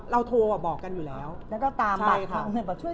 เราโทรอ่ะบอกกันอยู่แล้วแล้วก็ตามบัตรเขาเห็นป่ะ